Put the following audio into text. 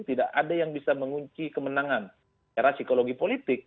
tidak ada yang bisa mengunci kemenangan secara psikologi politik